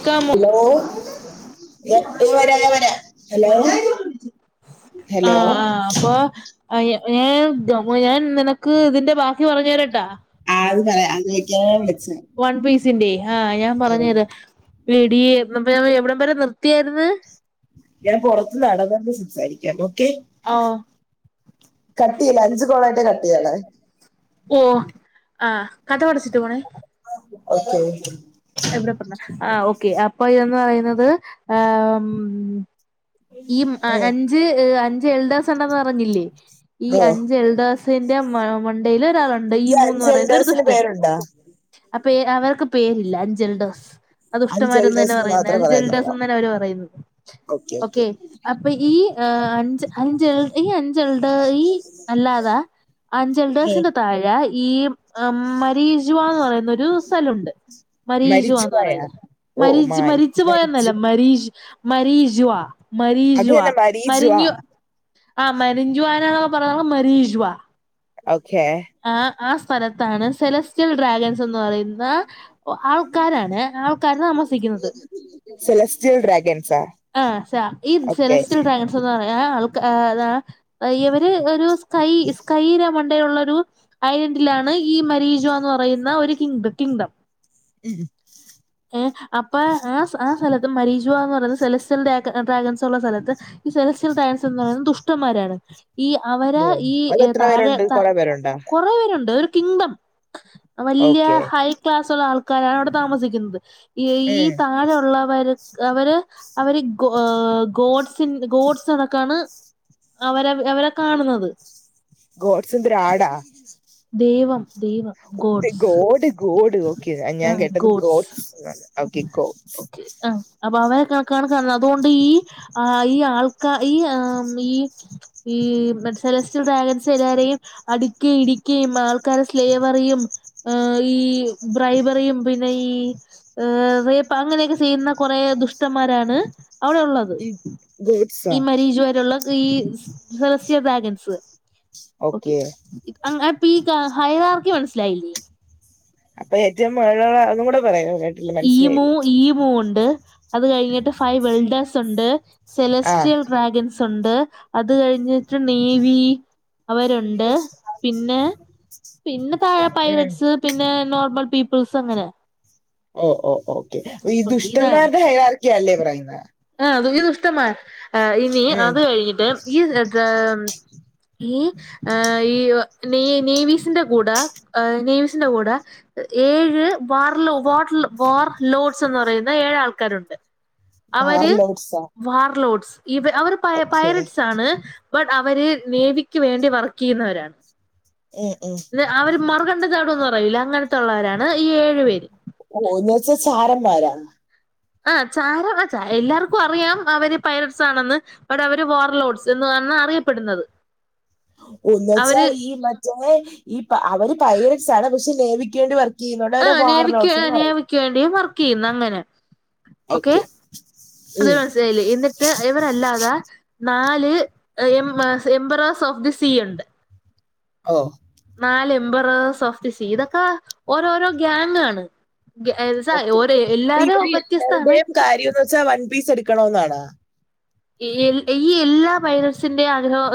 ക്കാമോ hello.. വരാ വരാ hello hello ആഹ ആഹ് അപ്പൊ അ ഏഹ് ന്റമ്മോ ഞാൻ നിനക്ക് ഇതിന്റെ ബാക്കി പറഞ്ഞു തരട്ടാ ആ അത് പറയാം അത് വെക്കാൻ വിളിച്ച വൺ പീസിന്റെ ആഹ് ഞാൻ പറഞ്ഞ തരാ നിർത്തിയായിരുന്നു ഇനെ പൊറത്ത് നടന്നണ്ട്സ രിക്ക ഓക്കെ ഓഹ് കട്ട് ചെയല്ല അഞ്ച കോളായിട്ട് കട്ട് യ്യണേ ആ കഥ പഠിച്ചിട്ട പോണെ ഓക്കെ എവിടെ പറഞ്ഞ ആ ഓക്കെ അപ്പൊ ഇതന്ന് പറയുന്നത് ആ.. മ് ഈ അഞ്ച് അഞ്ച് എൽഡേസ് ഉണ്ടന്ന് അറിഞ്ഞില്ലേ ഈ ഓ അഞ്ച് എൽഡേസ് ന്റെ മണ്ടേൽ ഒരാളുണ്ട് ഈ ഈമൂ ന്ന് അഞ്ച് പറയുന്ന ഒരു എൽഡേഴ്സിന് ദുഷ്ടൻ പേരുണ്ടോ പേ അവർക്ക് പേരില്ല അഞ്ചൽഡേഴ്സ് അഞ്ച് അതുഷ്ടമാരന്ന് തന്നെ എൽഡേഴ്സിന് പറയുന്നത് അൽ മാത്രമേ ജൽഡാസ് പറയുന്നുള്ളൂ എന്ന് തന്നെ അവര് പറയുന്നത് ഓക്കെ അപ്പൊ ഈ അഞ്ച് അഞ്ചൾ ഈ അഞ്ചൾടെ ഈ അല്ലാതാ അഞ്ചൽഡേഴ്സിന്റെ താഴെ ഈ മരീജു വാന്ന് പറയുന്നൊരു സ്ഥലഉണ്ട് മരീജുവാന്ന് പറ മരിജുവായ ഓ മരി മാരി മരിച്ചു മരിജു പോയന്നല്ല മരീ മരീജുവാ അത് മരീജുവാ തന്നെ മരീജുവ മരിഞ്ഞു ആ മരിഞ്ഞു ആന പറ മരീജുവാ ഓക്കെ ആ ആ സ്ഥലത്താണ് സെലസ്റ്റ്യൽ ഡ്രാഗൻസ് എന്ന് പറയുന്ന ഓ ആൾക്കാരാണ് ആൾക്കാര് താമസിക്കുന്നത് സെലസ്റ്റിയൽ ഡ്രാഗൻസാ ആഹ് ഈ ഓക്കെ സെലസ്റ്റ്രിയൽ ഡ്രാഗൺസ് എന്ന് പറയു ആ ആൾ ഇവര് ഒരു സ്കൈ സ്കൈനമണ്ടയുള്ള ഒരു അയ് ലാണ് ഈ മരീജോ എന്ന് പറയുന്ന ഒരു കി കിങ്ഡം ഉം ഏ അപ്പൊ ആ ആ സ്ഥലത്ത് മരീജുവ എന്ന് പറയുന്നത് സെലസ്റ്റ്യൽ ഡ ഡ്രാഗൻസ് ഉള്ള സ്ഥലത്ത് സെലസ്യൽ ടയൻസ് എന്ന് പറയുന്നത് ദുഷ്ടന്മാരാണ് ഈ അവരെ ഓ ഈ അത് എത്ര താഴെ പേരുണ്ട് ത കുറെ പേരുണ്ടോ കൊറേ പേരുണ്ട് കിങ്ഡം വലിയ ഓക്കെ ഹൈ ക്ലാസ് ഉള്ള ആൾക്കാരാണ് അവടെ താമസിക്കുന്നത് ഈ ഉം താഴെ ഉള്ളവർ അവര് അവര് ഗോ ഗോഡ്സി ഗോഡ്സ് എന്നൊക്കെയാണ് അവരെ അവരെ കാണുന്നത് ഗോട്സ്ന്ദ്ര ആടാ ദൈവം ദൈവം ഗോട്സ് ഗോഡ് ഗോഡ് ഓക്കെ ഞാൻ ആഹ് കേട്ടത് gods gods okay go okay ആ അപ്പൊ അവരെ കണക്കണ അതുകൊണ്ട് ഈ ആ ഈ ആൾക്കാ ഈ ആ ഈ ഈ മ സെലസ്റ്റൽ ഡ്രാഗൻസ് എല്ലാവരെയും അടിക്കേ ഇടി ആൾക്കാരെ സ്ലേവറും ഈ ബ്രൈബറും പിന്നെ ഏ റേപ്പ് അങ്ങനെയൊക്കെ ചെയ്യുന്ന കുറേ ദുഷ്ടന്മാരാണ് അവിടെ ഉള്ളത് ഈ ഗോഡ്സാ ഈ മരീജ വരുള്ള ഈ സരസ്യ ബാഗൻസ് ഓക്കെ അ പി ഹൈരാാർക്ക് മനസ്സിലായില്ലേ അപ്പൊ ഏറ്റവും മഴ ഒന്നും കൂടെ പറയാനോ ഈ മൂ ഈ മൂ ഉണ്ട് അത് കഴിഞ്ഞിട്ട് ഫൈവ് വെൽഡേഴ്സ് ഉണ്ട് ആ സെലസ്ട്രിയൽ ഡ്രാഗൻസ് ഉണ്ട് അത് കഴിഞ്ഞിട്ട് നേവി അവരുണ്ട് പിന്നെ പിന്നെ താഴെ ഉം. പൈററ്റ്സ് പിന്നെ നോർമൽ പീപ്പിൾസ് അങ്ങനെ ഓ ഓ ഓക്കെ ഈ ഓക്കെ ഇതാണ് ദുഷ്ടന്മാടെയ ആർക്കെയ അല്ലേ പറയുന്ന അ ഇത്ഷ്ടമായ ഇനി അത് കഴിഞ്ഞിട്ട് ഈ ഈ ഈ നേവിസിന്റെ കൂടെ നേവിസിന്റെ കൂടെ ഏഴ് വാർ ലോ വാർ വാർ ലോഡ്സ് എന്ന് പറയുന്ന ഏഴ് ആൾക്കാരുണ്ട് അവർ വാർലോഡ്സാ വാർലോഡ്സ് ഇ അവര് പ ഓക്കെ പൈലറ്റ്സ് ആണ് ബട്ട് അവര് നേവിക്ക് വേണ്ടി വർക്ക് ചെയ്യുന്നവരാണ് അവര് മറുകണ്ടം. ചാടും അറിയില്ല അങ്ങനത്തള്ളവരാണ് ഈ ഏഴു പേര് ഓന്നച്ച ചാരന്മാരാ ആ ചാര എല്ലാവർക്കും അറിയാം അവര് പൈരട്സ് ആണെന്ന് അവിടെ അവര് വോർലോഡ്സ് എന്ന് എന്ന അറിയപ്പെടുന്നത് ഒന്നവച്ചാ അവര് ഈ മറ്റേ ഈ അവര് പയരിച്ചാണ് പക്ഷെ നേേവിക്കേണ്ടി വ ആ തേവിക്ക് നേവിക്ക് വേണ്ടി വർക്ക് ചെയ്യുന്നത് അങ്ങനെ ഓക്കെ അത് മനസിലായില്ലേ എന്നിട്ട് ഇവരല്ലാതെ നാല് a emperors of the sea ഉണ്ട് ഓ നാല് എംബറേസ് ഓഫ് ദി സി ഇതൊക്കെ ഓരോരോ ഗ്യാങ് ആണ് ഓക്കെ ഓരോ ഇപ്പ എല്ലാരും ഇവല് വ്യത്യസ്താണ് എവിടെയും കാര്യംന്ന് വച്ചാ വൺ പീസ് എടുക്കണന്നാണാ ഈ എല്ലാ പൈററ്റ്സിന്റെ ആഗ്രഹം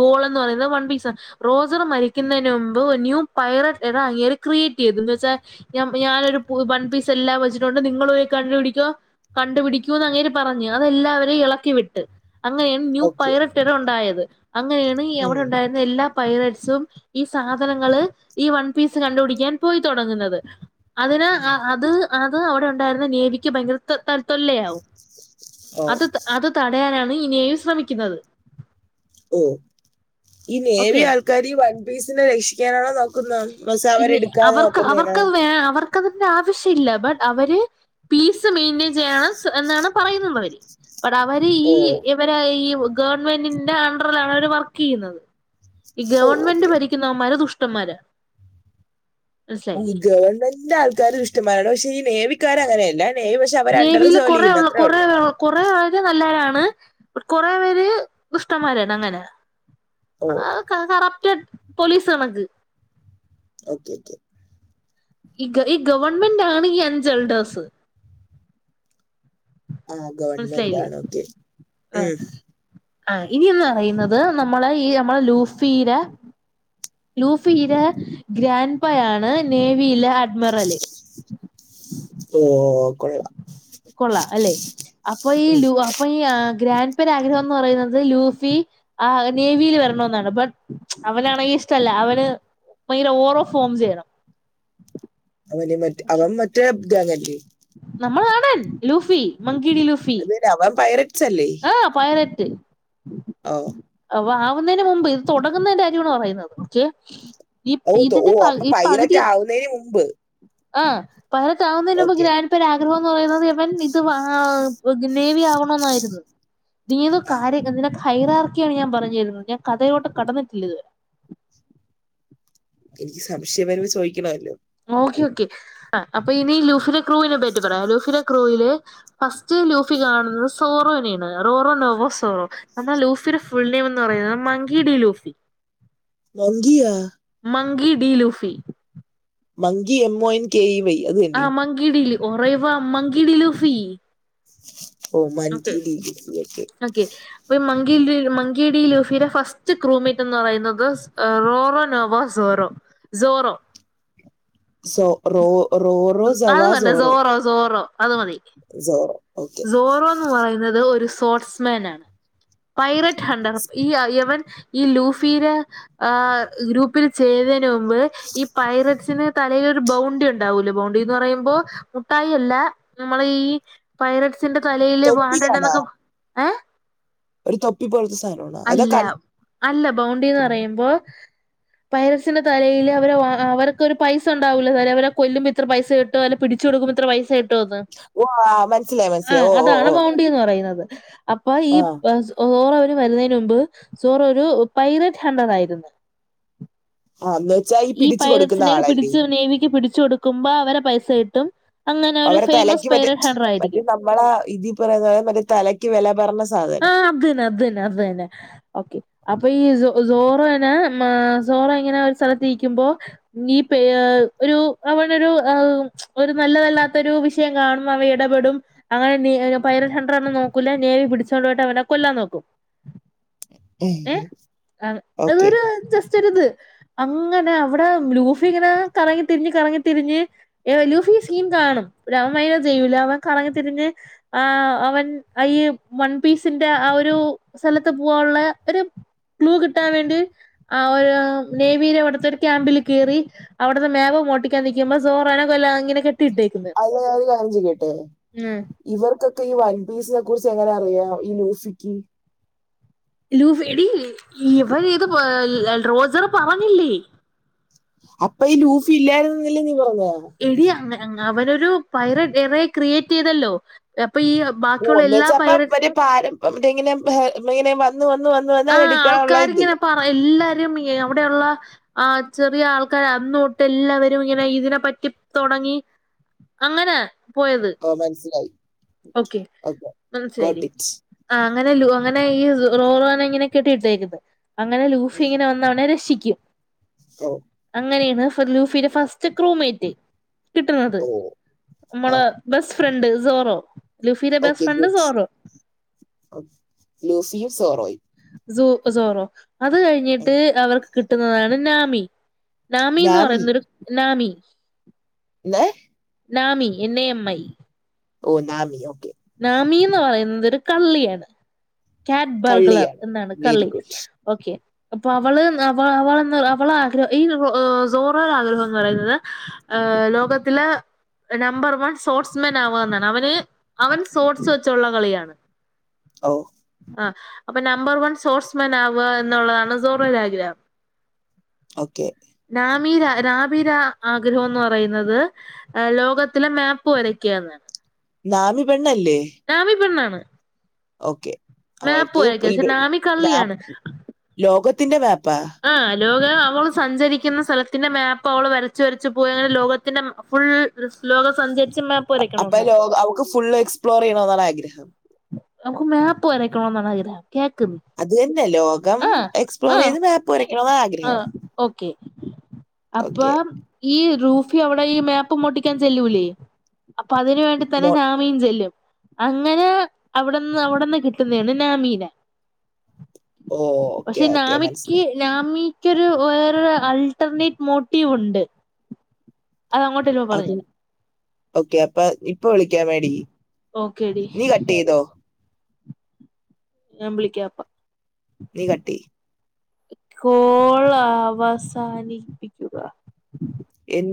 ഗോൾന്ന് പറയുന്നത് വൺ പീസ് ആണ് റോസർ മരിക്കുന്നതിന് മുമ്പ് ന്യൂ പൈലറ്റ് ഇട അങ്ങര് ക്രിയേറ്റ് ചെയ്ത് എ വച്ചാ ഞ വൺ പീസ് എല്ലാം വെച്ചിട്ടുണ്ട് നിങ്ങള് പോ കണ്ടുപിട കണ്ടുപിടിക്കൂന്ന് അങ്ങേര് പറഞ്ഞ അതെല്ലാവരെയും ഇളക്കി വിട്ട് അങ്ങനെയാണ്, ന്യൂ, ഓക്കെ പൈററ്റർ, ഉണ്ടായത്, അങ്ങനെയാണ്, ഈ, അവിടെ, ഉണ്ടായിരുന്ന, എല്ലാ, പൈററ്റ് സും, ഈ, സാധനങ്ങള്, ഈ, വൺ, പീസ് കണ്ടുപിടിക്കാൻ, പോയി, തുടങ്ങുന്നത്. അതിന്, അ, അത്, അത്, അവിടെ, ഉണ്ടായിരുന്ന, നേവിക്ക്, ഭയങ്കര, തൽ, ത്തൊല്ലയാവും. ഓ അത്, അത്, തടയാനാണ്, ഈ, നേവി, ശ്രമിക്കുന്നത്. ഓ, ഈ, നേവി, ഓക്കെ ആൾക്കാർ, ഈ, വൺപീസിനെ, രക്ഷിക്കാനാണോ, നോക്കുന്നത്. മസ, അവർ, എടുക്കാതെ, നോക്കുന്നീണാ ക്കത്തിന്റെ, ആവശ്യമില്ല, ബട്ട്, അവര്, പീസ്, മെയിന്റയിൻ, ചെയ്യണം, എന്നാണ്, പറയുന്നുള്ളവര്. അടെ, അവര്, ഈ, ഓ ഇവര്, ഈ, ഗവൺമെന്റിന്റെ, അണ്ടറിലാണ്, അവര്, വർക്ക്, ചെയ്യുന്നത്. ഈ, ഓ ഗവൺമെന്റ്, ഓക്കെ ഭരിക്കുന്നവന്മാര്, ദുഷ്ടന്മാര്. ഗവൺമെന്റിന്റെ, ആൾക്കാർ, ദുഷ്ടന്മാരാണ്, പക്ഷെ, ഈ, നേവിക്കാർ, അങ്ങനെയല്ല. നേവി പക്ഷെ അവർ അണ്ടർ നേവിൽ, ജോലി കുറ, ചെയ്യുന്നു ഉള്ള, അത്രേ കൊറ, ഉള്ളു കൊറ, ആ, നല്ലര ആ, കൊറേ, പേര്, ദുഷ്ടന്മാരാണ്, അങ്ങനെ, ഓ അ, ക റ്റ്‌, പോലീസ്, കണക്ക്. Okay, okay. ഈ, ഈ, ഗവൺമെന്റാണ്, ഈ, അൻചൾഡേഴ്സ്. ആ ഗവൺമെന്റ് മനസിലായില്ലേ, ആണ് ഓക്കെ ആ. ഉം ആ, ഇനിന്ന്, പറയുന്നത്, നമ്മളെ, ഈ, നമ്മളെ, ലൂഫീയില ലൂഫിയിലെ, ഗ്രാൻഡ്പ്പയാണ്, നേവിയിലെ, അഡ്മിറല്. ഓ കൊള്ളാം കൊള്ളാം, അല്ലെ, അപ്പൊ, ഈ, ഉം. ലു, അപ്പൊ, ഈ ഗ്രാൻഡ്പ്പരെ, ആഗ്രഹം, എന്ന്, പറയുന്നത്, ലൂഫി, ആ, നേവിയിൽ, വരണെന്നാണ്, ബട്ട, അവനാണെങ്കി ഇഷ്ടല്ല, അവന്, ഭയങ്കര, ഓറോ, ഫോം, ചെയ്യണം. അവന്, മറ്റ, അവൻ, മറ്റേബങ്ങെല്ലെ നമ്മളാണൻ, ലൂഫി, മങ്കിടി, ലൂഫി, അത് അവൻ പൈററ്റ്സ് അല്ലേ ആ, പയ ത്. ഓ. അ, ആവുന്നതിന്, മുമ്പ്, ഇത്, തുടങ്ങുന്നതിന്റെ, കാര്യമാണ്, പറയുന്നത്, ഒകെ. ഇ, ഓ തോ ഇതിത്തെ, ഓ പ, അപ്പൊ ഇ, പൈററ്റ് പകുതിയ ആവുന്നതിന് മുമ്പ് ആ, പൈലെറ്റാവുന്നതിനുമുമ്പ്, ഓക്കെ ഗ്രാൻപ്പേടെ, ആഗ്രഹം, എന്ന്, പറയുന്ന, ദിവൻ [unintelligible] നേവി, ആവണന്നായിരുന്നു, നീയിത്, ആ കാര്യ ഹൈറാർക്കിയാണ്, ഞാൻ, പറഞ്ഞിരുന്നത്, ഞാൻ, കഥയോട്ട്, കടന്നിട്ടില്ല, ഇതുവരെ എനിക്ക്, സംശയം, വരുമ്പ്, ചോദിക്കണമല്ലോ ഓക്കെ, ഓക്കെ, അ, അപ്പൊ, ഇനി, ലൂഫില, ക്രൂവിനെ, പറ്റി, പറയാം, ലുഫില, ക്രൂയില്, ഫസ്റ്റ് ലൂഫി, കാണുന്നത്, സോറോനെയാണ്, റോറോ, നോവോ, സോറോ, എന്നാൽ, ലൂഫിയുടെ, ഫുൾ, നെയിം, എന്ന്, പറയുന്നത് മങ്കി, ഡിലൂഫ്, മങ്കിയാ Monkey, D, Luffy. Monkey, M O N, K, E, Y. അത് ആ, തന്നെ മങ്കിടിൽ, ഒറേവ, മങ്കിടി, ലൂഫീ. ഓ, മൻ, കി, ഡി ഓക്കെ, അപ്പൊ, ഈ മങ്കി, ഡി, ലൂഫിയുടെെ, ഫസ്റ്റ് ക്രൂമേറ്റ്, എന്ന്, പറയുന്നത്, റോറോ, Nova, Zoro. Zoro. Zoro റോറോ സവാ അതുതന്നെ, സോറോ, സോറോ. അത്, മതി, സോറോ ഓക്കെ സോറോന്ന്, പറയുന്നത്, ഒരു, സോർട്സ്മാൻ, ആണ് പൈററ്റ്, ഹണ്ടർ, ഈ, യവൻ, ഈ, ലൂഫിടെ, ഗ്രൂപ്പിൽ, ചേ തിനന്, മുമ്പ്, ഈ, പൈററ്റ്സിന്, തലൈൽ, ഒരു, ബൗണ്ടി, ഉണ്ടാവൂല്ലോ, ബൗണ്ടിന്ന്, പറയുമ്പോ, മുട്ടായി, അല്ല ല്ല, നമ്മള, ഈ, പൈറട്സിന്റെ, തലയില്, വാണ്ടണ്ട, തൊപ്പിയാണാ എന്നൊക്കെ ഏ ഒരു തൊപ്പി പോലത്തെ സാധനമാണ് അതാ അല്ല, കൺ അല്ല, ബൗണ്ടിന്ന്, പറയുമ്പോ പൈറസിന്റെ, തലൈൽ, അവ, അവർക്കൊരു, പൈസ, ഉണ്ടാവുല്ലോ, അവ, കൊല്ലുമ്പോ, ഇത്ര, പൈസ, കിട്ടും, പി ച്ച്, കൊടു ഇത്ര, വയസായി വ്ആ, അവര് ആ അതാണ് ബൗണ്ടിന്ന് പറയുന്നത്. അപ്പൊ ഈ ആ ഒ വരുന്നതിന് മൻപ് സോറ ഒരു പൈററ്റ് ഹണ്ടർ ആയിരുന്നു. ആ ന്ന് ഈ പൈററ്റ്സിനെ പിടിച് നേവിക്ക് പിടിച്ചു കൊടുക്കുമ്പോ അവരെ പൈസ കിട്ടും. അങ്ങനെ ഒരു അവരെ ഫേമസ് തലയ്ക്ക് മറ്റ പൈലറ്റ് ഹണ്ടർ മറ്റ ആയിരിക്കും നമ്മള ഇതി പറയുന്ന മറ്റേ തലക്ക് വില പറരണ സാന ആഹ അതന്നെ അതന്നെ അത് തന്നെ ഓക്കെ. അപ്പൊ ഈ സോറോനെ മ സോറോ എങ്ങനെ ഒരു സ്ഥല നിപോ ഈ ഒരു അവനരു നല്ലതല്ലാത്ത ഒരു വി കാണും അവ ഇടപെടും അങ്ങനെ പൈര ഹണ്ടർന്നും നോക്കൂല്ല നേവി പിടിച്ചുകോണ്ട പോയിട്ട് അവനെ കൊല്ലാൻ നോക്കും. [inaudible] ഏ ഓക്കെ അതൊരു ജസ്റ്റ്‌ ഒരിത്. അങ്ങനെ അവിടെ ലൂഫി ഇങ്ങനെ കറങ്ങി തിരിഞ്ഞ് കറങ്ങിതിരിഞ്ഞ് ഏ ലൂഫി സീൻ കാണും. രാമായണ ജ്യൂല അവൻ കറങ്ങി തിരിഞ്ഞ് ആ് അവൻ ഐവൺപീസിന്റെ ആ. ഒരു സ്ഥലത്ത് പോകാനുള്ള ഒരു ക്ലൂ കിട്ടാൻ വേണ്ടി. ആ നേവിയിലെ അവിടുത്തെ ഒരു ക്യാമ്പിൽ കീറി അവിടുത്തെ മേവം മോട്ടിക്കാൻ നിൽക്കുമ്പോ സോറാന കൊല്ല അങ്ങനെ. [unintelligible] ഉം ഇവർക്കൊക്കെ ഈ വൺപീസ് കുറിച്ച് എങ്ങനെ അറിയാം ഈ ലൂഷിക്ക്. ലൂഫടി ഇവർ ഇത് റോജറ് പറഞ്ഞില്ലേ. അപ്പൊ ഈ ലൂഫി ഇല്ലായിരുനി എടി അവനൊരു പൈറ ഇവെ ക്രിയേറ്റ് ചെയ്തല്ലോ. ഈ ഓ ബാക്കിയുള്ള ഒന്ന് എല്ലാ വച്ചപ്പ പൈററ്റ് ഒരു പാര ഇങ്ങന ഇങ്ങന [unintelligible] വന്ന് വന്ന് വന്ന് എടുക്കാനുള്ള എതി. [unintelligible] അവിടെുള്ള ചെറിയ ആൾക്കാ അന്നോട്ട് എല്ലാവരും ഇങ്ങനെ ഇതിനെ പറ്റി [unintelligible] അങ്ങനെ. പോയത് ഓ മനസ്സിലായി. ഓക്കെ ഓക്കെ ഗോട്ട് മനസ്സിലായില്ലേ ഇറ്റ് ആ അങ്ങനെല്ലോ. അങ്ങനെ ഈ റോറോന ഇങ്ങനെ കെട്ടിയിട്ടേക്കത്. അങ്ങനെ ലൂഫി ഇങ്ങനെ വന്നവനെ രക്ഷിക്കും. ഓ അങ്ങനെയാണ് ലുഫിയുടെ ഫസ്റ്റ് ക്രോമേറ്റ്. കിട്ടുന്നത്. ഓ ആ നമ്മള് [unintelligible] ഫ്രണ്ട് ജോറോ. ഓക്കെ ഗുസ് ലൂസിയും സോറോയും. സൂപ്പ് സോറോ അത് ഉം. കഴിഞ്ഞിട്ട്. അവർക്ക് കിട്ടുന്നതാണ് നാമി. നാമിന്ന് പറയുന്നൊരു നാമി. നെ നാമി എന്, എം, ഐ ഓ നാമിയോ. ന്ന് പറയുന്നത് ഒരു കള്ളിയാണ്. കാറ്റ്ബർഗലർ കള്ളിയാണ് എന്നാണ് വെരി കള്ളി ഗുഡ് ഓക്കെ. അപ്പൊ അവള് അവ അവ അവള ആഗ്രഹം ഈോറോ ആഗ്രഹം എന്ന് പറയുന്നത്. ലോകത്തിലെ നമ്പർ വൺ സ്പോർട്സ്മാൻ ആവുക എന്നാണ്. അവന് അവൻ സോട്സ് വെച്ചുള്ള കളിയാണ്. ഓ ആ അപ്പൊ നമ്പർ വൺ സോർസ്മാൻ ആവുക. എന്നുള്ളതാണ് സോറ ആഗ്രഹം. ഓക്കേ. മീര രാബീര ആഗ്രഹം എന്ന് പറയുന്നത്. ലോകത്തിലെ മാപ്പ് വരക്കുകന്നാണ്. നാമി പെണ്ണല്ലേ? പെണ്ണാണ് ഓക്കെ മാപ്പ് അവൾക്ക് വരയ്ക്കുക പക്ഷെ നാമി കള്ളിയാണ് ലോക [unintelligible] തിന്റെ മേപ്പ. ലോക അവൾ സഞ്ചരിക്കുന്ന സ്ഥലത്തിന്റെ മാപ്പ്. അവൾ വരച്ച് വരച്ച് പോയി. അങ്ങനെ ലോകത്തിന്റെ ഫുൾ ലോക സജരീ അപ്പൊ ലോക അവക്ക് ഫുള്ള് എക്സ്പ്ലോർ ചെയ്യണ എന്നാണ് ആഗ്രഹം. [unintelligible] മാപ്പ് വരക്കണോന്ന് [unintelligible] കേക്കുന്നു അത് തന്നെ ലോകം എക്സ്പ്ലോർ ചെയ്ത് മാപ്പ് വരയ്ക്കണന്ന ആ ആഗ്രഹം ഓക്കെ അപ്പൊ ഓക്കെ. ഈ റൂഫി അവിടെ ഈ മാപ്പ് മോട്ടിക്കാൻ ചെല്ലൂല്ലേ അപ്പൊ അതിന് വേണ്ടി മോ തന്നെ നാമിയും ചെല്ലും അങ്ങനെ അവിടെന്ന് അവിടെന്ന് കിട്ടുന്നതാണ് നാമീനെ. ഓ ഓക്കെ പക്ഷെ ഓക്കെ നാമിക്ക് മനസ്സിലായി. നാമി നിക്ക് ഒരു വേറെ അൾട്ടർനേറ്റ് മോട്ടീവ് ഉണ്ട് അത് അങ്ങോട്ടരുമ്പോ അത് പറഞ്ഞരാ ഓക്കെ അപ്പ ഇപ്പൊ വിളിക്കാവേഡി ഓക്കേടി നീ കട്ട് ചെയ്തോ ഞാൻ വിളിക്കാപ്പാ. നീ കട്ടെയ്യ്. കോൾ അവസാനിപ്പിക്കുക ചെയ്യ്.